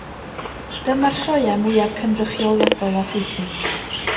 Dyma'r sioeau mwyaf cynrychioliadol a phwysig.